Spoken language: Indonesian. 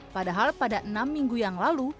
padahal pada enam minggu yang lalu